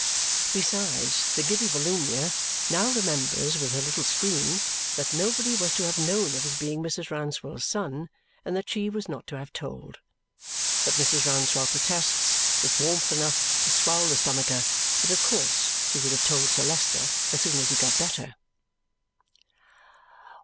Besides, the giddy Volumnia now remembers with her little scream that nobody was to have known of his being Mrs. Rouncewell's son and that she was not to have told. But Mrs. Rouncewell protests, with warmth enough to swell the stomacher, that of course she would have told Sir Leicester as soon as he got better.